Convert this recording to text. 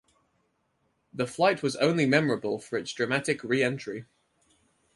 The flight was also memorable for its dramatic re-entry.